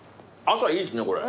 朝いいですねこれ。